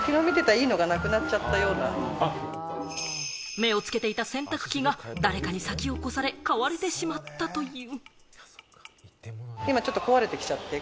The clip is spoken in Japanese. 目をつけていた洗濯機が誰かに先を越され、買われてしまったという。